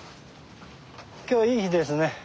今日はいい日ですね。